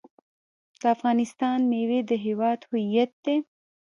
د افغانستان میوې د هیواد هویت دی.